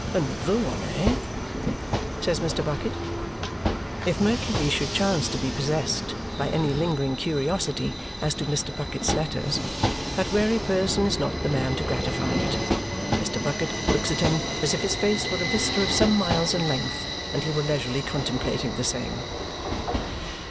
"Another one, eh?" says Mr. Bucket. If Mercury should chance to be possessed by any lingering curiosity as to Mr. Bucket's letters, that wary person is not the man to gratify it. Mr. Bucket looks at him as if his face were a vista of some miles in length and he were leisurely contemplating the same.